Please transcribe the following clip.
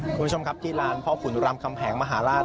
คุณผู้ชมครับที่ลานพ่อขุนรำคำแหงมหาราช